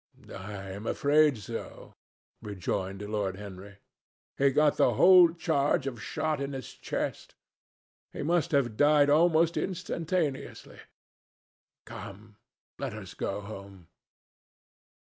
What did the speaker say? "I am afraid so," rejoined Lord Henry. "He got the whole charge of shot in his chest. He must have died almost instantaneously. Come; let us go home."